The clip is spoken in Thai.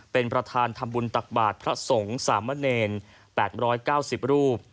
เป็นประธานธรรมบุญตักบาทพระสงฆ์สามเมอร์เนรแปดร้อยเก้าสิบรูป